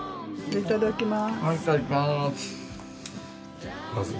いただきます。